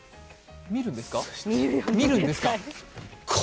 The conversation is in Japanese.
見るんですか！？